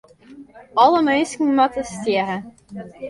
Alle minsken moatte stjerre.